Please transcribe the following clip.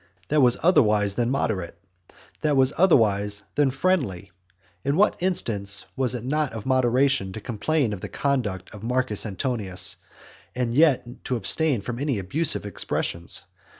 that was otherwise than moderate? that was otherwise than friendly? and what instance was it not of moderation to complain of the conduct of Marcus Antonius, and yet to abstain from any abusive expressions?